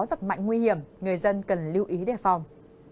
giật mạnh nguy hiểm người dân cần lưu ý đề phòng